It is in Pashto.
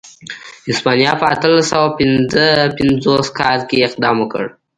هسپانیا په اتلس سوه پنځه پنځوس کال کې اقدام وکړ.